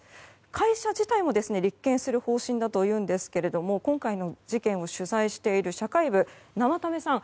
会社自体を立件する方針だということですが今回の事件を取材している社会部、生田目さん